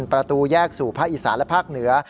ประตูแยกสู่ภาคอีสานและภาคเหนือ